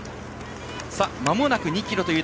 まもなく２ｋｍ。